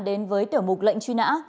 đến với tiểu mục lệnh truy nã